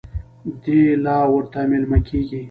دی لا ورته مېلمه کېږي.